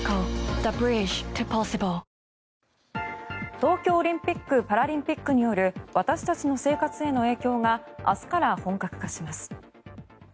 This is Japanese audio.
東京オリンピック・パラリンピックによる私たちの生活への影響が明日から本格化します。